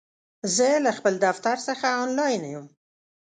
زه له خپل دفتر څخه آنلاین یم!